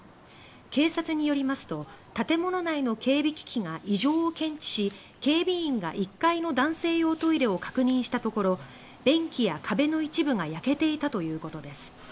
警察によりますと建物内の警備機器が異常を検知し、警備員が１階の男性用トイレを確認したところ便器や壁の一部が焼けていたということです。